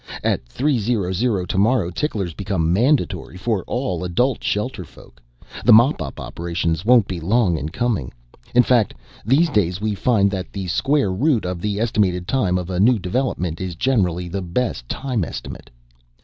At three zero zero tomorrow ticklers become mandatory for all adult shelterfolk. The mop up operations won't be long in coming in fact, these days we find that the square root of the estimated time of a new development is generally the best time estimate.